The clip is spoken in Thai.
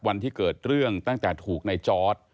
วันที่เกิดเรื่องตั้งแต่ถูกในจอร์ด